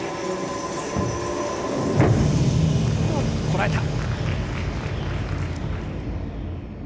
こらえた。